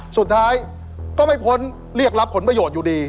สุดท้ายก็ไม่พ้นเรียกรับผลประโยชน์อยู่ดี